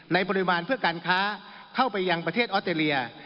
ปริมาณเพื่อการค้าเข้าไปยังประเทศออสเตรเลีย